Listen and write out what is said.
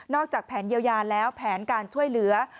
จากแผนเยียวยาแล้วแผนการช่วยเหลือ